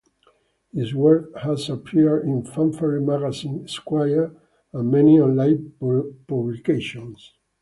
His work has appeared in "Fanfare Magazine", "Esquire", and many online publications.